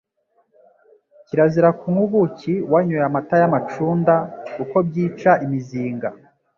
Kirazira kunywa ubuki wanyoye amata y’amacunda, kuko byica imizinga